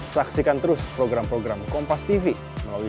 sekitar lima puluh enam delapan juta